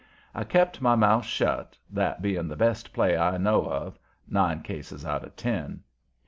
I kept my mouth shut, that being the best play I know of, nine cases out of ten.